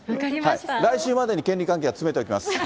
来週までに権利関係は詰めておきます。